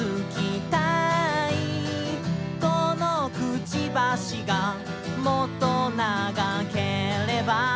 「このくちばしがもっと長ければ」